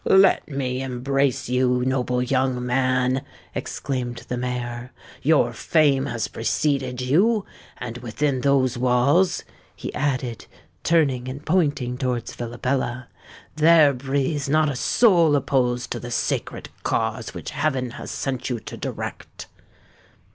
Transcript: "Let me embrace you, noble young man!" exclaimed the mayor. "Your fame has preceded you—and within those walls," he added, turning and pointing towards Villabella, "there breathes not a soul opposed to the sacred cause which heaven has sent you to direct."